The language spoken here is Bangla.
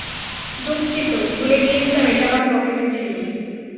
দুঃখিত, ভুলে গিয়েছিলাম এটা আমার পকেটে ছিল।